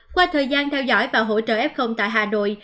qua thời gian theo dõi và hỗ trợ f tại hà nội